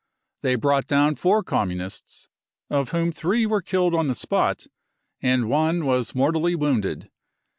They brought down four Communists, of whom three were killed on the spot, and one was mortally wounded.